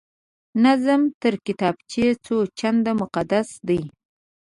نظم تر کتابچې څو چنده مقدسه دی